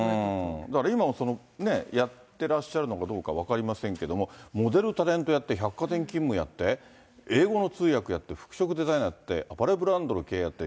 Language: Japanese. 今もやってらっしゃるのかどうか分かりませんけども、モデル、タレントやって、百貨店勤務やって、英語の通訳やって服飾デザイナーやって、アパレルブランドの経営。